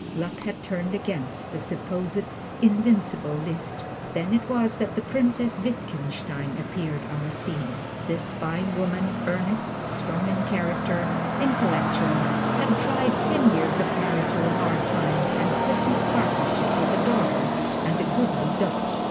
Luck had turned against the supposed invincible Liszt. Then it was that the Princess Wittgenstein appears on the scene. This fine woman, earnest, strong in character, intellectual, had tried ten years of marital hard times and quit the partnership with a daughter and a goodly dot.